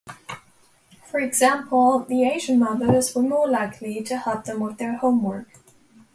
For example, the Asian mothers were more likely to help them with their homework.